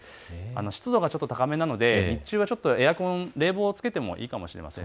湿度が高めなので日中は冷房をつけてもいいかもしれません。